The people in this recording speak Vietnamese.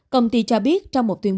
công ty cho biết trong một tuyên bố